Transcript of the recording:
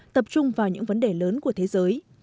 tập trung vào những vấn đề lớn của thế giới